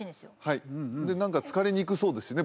はいで何か疲れにくそうですしね